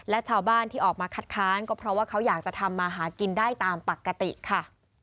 และชาวบ้านที่ออกมาคัดค้านก็เพราะว่าเขาอยากจะทำมาหากินได้ตามปกติค่ะ